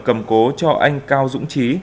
cầm cố cho anh cao dũng trí